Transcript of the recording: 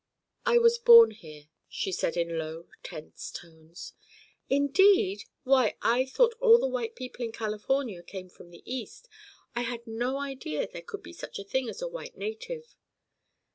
"I was born here," she said in low, tense tones. "Indeed! Why, I thought all the white people in California came from the east. I had no idea there could be such a thing as a white native."